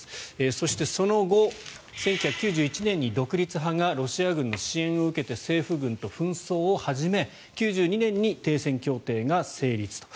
そして、その後１９９１年に独立派がロシア軍の支援を受けて政府軍と紛争を始め９２年に停戦協定が成立と。